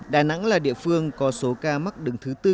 đà nẵng là địa phương có số ca mắc đứng thứ bốn